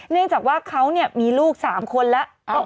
เนื่องจากว่าเขามีลูก๓คนแล้ว